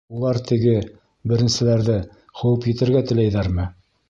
Улар теге, беренселәрҙе, ҡыуып етергә теләйҙәрме?